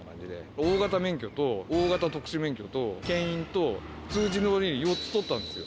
大型免許と、大型特殊免許と、けん引と、普通自動二輪、４つ取ったんですよ。